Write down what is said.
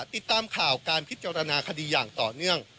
ติดตามข่าวการพิจารณาคดีอย่างต่อเนื่อง